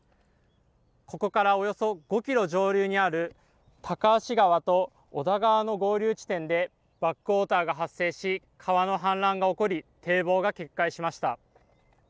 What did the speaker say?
ここからおよそ５キロ上流にある高梁川と小田川の合流地点でバックウォーターが発生し、川の氾濫が起こり、堤防が決壊しました。